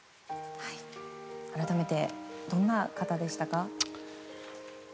改めて、どんな方でしたか？